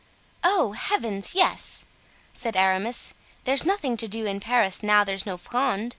"Oh, heavens! yes," said Aramis. "There's nothing to do in Paris now there's no Fronde.